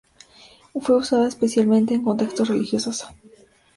Fue usada especialmente en contextos religiosos.